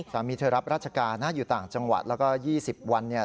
สามีเธอรับราชการนะอยู่ต่างจังหวัดแล้วก็๒๐วันเนี่ย